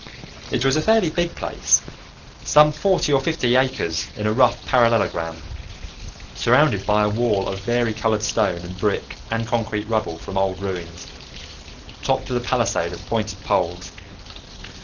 It was a fairly big place, some forty or fifty acres in a rough parallelogram, surrounded by a wall of varicolored stone and brick and concrete rubble from old ruins, topped with a palisade of pointed poles.